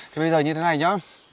thì bây giờ như thế này nhá